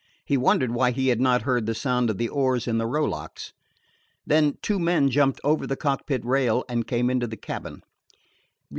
He wondered why he had not heard the sound of the oars in the rowlocks. Then two men jumped over the cockpit rail and came into the cabin.